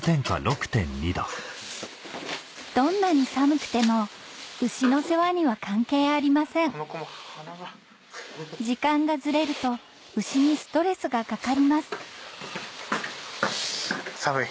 どんなに寒くても牛の世話には関係ありません時間がずれると牛にストレスがかかります寒い？